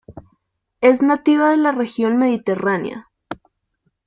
Es nativa de la Región mediterránea.